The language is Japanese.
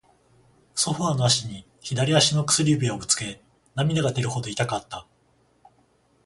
ソファーの脚に、左足の薬指をぶつけ、涙が出るほど痛かった。